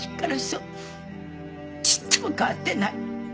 ちっとも変わってない。